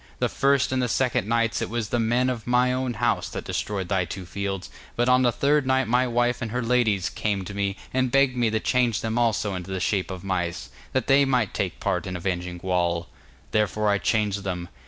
The first and the second nights it was the men of my own house that destroyed thy two fields, but on the third night my wife and her ladies came to me and begged me to change them also into the shape of mice, that they might take part in avenging Gwawl. Therefore I changed them.